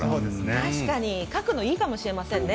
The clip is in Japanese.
確かに書くのいいかもしれませんね。